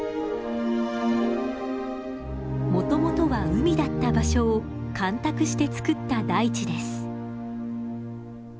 もともとは海だった場所を干拓して造った大地です。